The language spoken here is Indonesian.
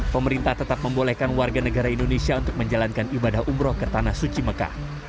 pemerintah tetap membolehkan warga negara indonesia untuk menjalankan ibadah umroh ke tanah suci mekah